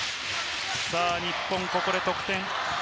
さぁ、日本、ここで得点。